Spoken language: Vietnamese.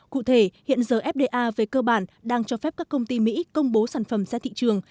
cụ thể hiện giờ fda về cơ bản đang cho phép các công ty mỹ công bố sản phẩm ra thị trường